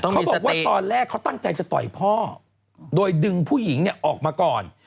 เขาบอกว่าตอนแรกเขาตั้งใจจะต่อยพ่อโดยดึงผู้หญิงออกมาก่อน